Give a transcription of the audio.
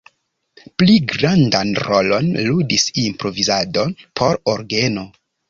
Pli grandan rolon ludis improvizado por orgeno.